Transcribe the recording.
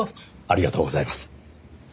ありがとうございます。